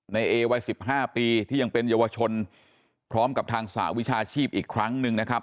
ในเอวัย๑๕ปีที่ยังเป็นเยาวชนพร้อมกับทางสหวิชาชีพอีกครั้งหนึ่งนะครับ